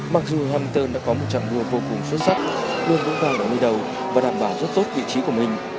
mặc dù hamilton đã có một trạng đua vô cùng xuất sắc luôn vững vang vào nơi đầu và đảm bảo rất tốt vị trí của mình